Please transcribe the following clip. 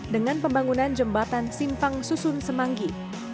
dengan pembangunan jembatan simpang susun semanggi